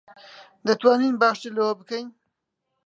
دەتوانین باشتر لەوە بکەین.